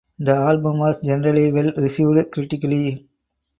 The album was generally well received critically.